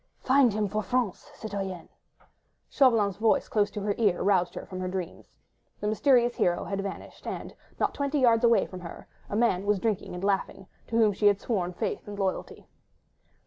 "Find him for France, citoyenne!" Chauvelin's voice close to her ear roused her from her dreams. The mysterious hero had vanished, and, not twenty yards away from her, a man was drinking and laughing, to whom she had sworn faith and loyalty.